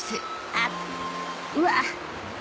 あっうわっ！